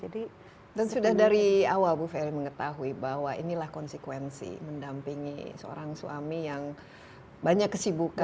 dan sudah dari awal bu ferry mengetahui bahwa inilah konsekuensi mendampingi seorang suami yang banyak kesibukan